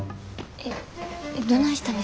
えっどないしたんですか？